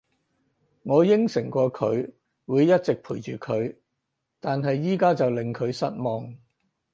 我應承過佢會一直陪住佢，但係而家就令佢失望